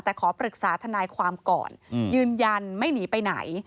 แต่ขอปรึกษาทนายความก่อนยืนยันไม่หนีไปไหน